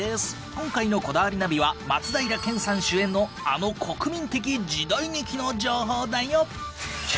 今回の『こだわりナビ』は松平健さん主演のあの国民的時代劇の情報だよ。